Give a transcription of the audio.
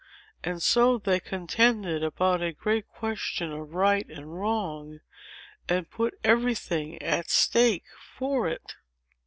And so they contended about a great question of right and wrong, and put every thing at stake for it."